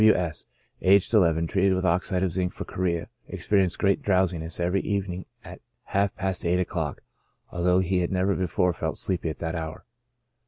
W. S —, aged 11, treated with oxide of zinc for chorea, experinced great drowsiness every evening at half past eight o'clock, although he had never before felt sleepy at that hour.